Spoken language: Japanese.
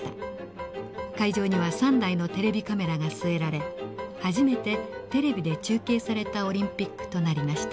会場には３台のテレビカメラが据えられ初めてテレビで中継されたオリンピックとなりました。